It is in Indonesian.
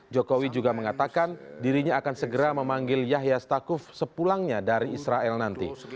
jokowi juga mengatakan dirinya akan segera memanggil yahya stakuf sepulangnya dari israel nanti